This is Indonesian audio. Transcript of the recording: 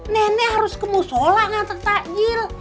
nenek harus kemusola ngantuk takjil